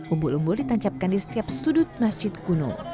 umbul umbul ditancapkan di setiap sudut masjid kuno